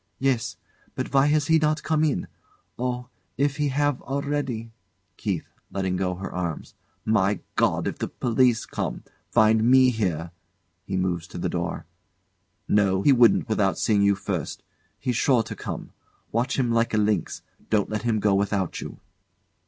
Yes. But why has he not come in? Oh! If he have, already! KEITH. [Letting go her arms] My God! If the police come find me here [He moves to the door] No, he wouldn't without seeing you first. He's sure to come. Watch him like a lynx. Don't let him go without you.